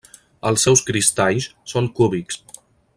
Els seus cristalls són cúbics.